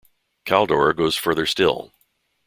Kaldor goes further still.